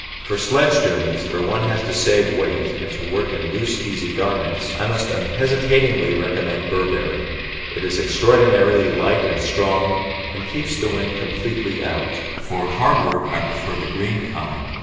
For sledge journeys, where one has to save weight, and to work in loose, easy garments, I must unhesitatingly recommend Burberry. It is extraordinarily light and strong, and keeps the wind completely out. For hard work I prefer the green kind.